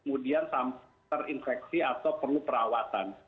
kemudian terinfeksi atau perlu perawatan